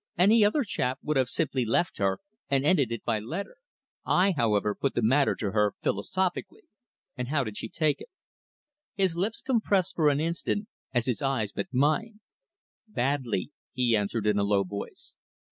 Any other chap would have simply left her and ended it by letter. I, however, put the matter to her philosophically." "And how did she take it?" His lips compressed for an instant as his eyes met mine. "Badly," he answered in a low voice.